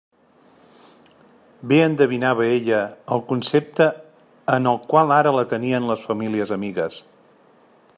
Bé endevinava ella el concepte en el qual ara la tenien les famílies amigues.